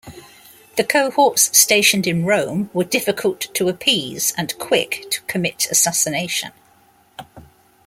The cohorts stationed in Rome were difficult to appease and quick to commit assassination.